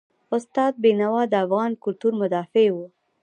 استاد بینوا د افغان کلتور مدافع و.